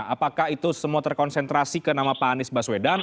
apakah itu semua terkonsentrasi ke nama pak anies baswedan